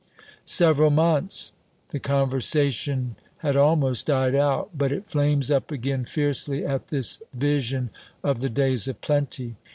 "Several months." The conversation had almost died out, but it flames up again fiercely at this vision of the days of plenty.